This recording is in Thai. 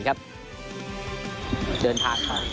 ก็วันนี้ได้มาเสียสมาชิตในทีม